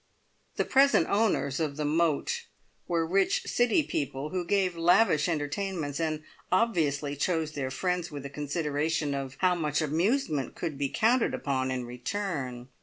The present owners of the "Moat" were rich City people who gave lavish entertainments, and obviously chose their friends with a consideration of how much amusement could be counted upon in return.